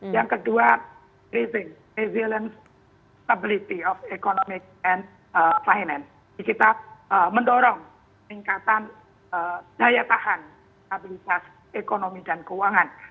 yang kedua increasing resilience stability of economic and finance kita mendorong tingkatan daya tahan stabilitas ekonomi dan keuangan